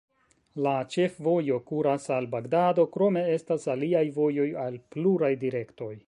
La ĉefvojo kuras al Bagdado, krome estas aliaj vojoj al pluraj direktoj.